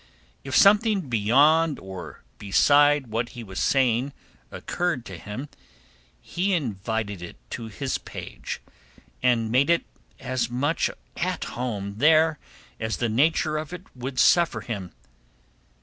If something beyond or beside what he was saying occurred to him, he invited it into his page, and made it as much at home there as the nature of it would suffer him.